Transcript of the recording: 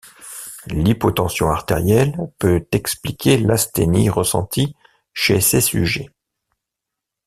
L'hypotension artérielle peut expliquer l'asthénie ressentie chez ces sujets.